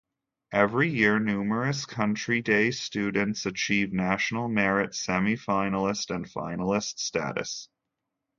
Every year, numerous Country Day students achieve National Merit Semi-finalist and Finalist status.